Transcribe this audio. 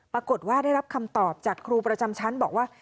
ปรากฏว่าได้รับคำตอบจากครูประจำชั้นบอกว่า